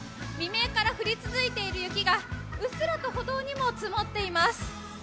未明から降り続いている雪がうっすらと歩道にも積もっています。